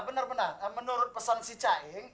benar benar menurut pesan si cai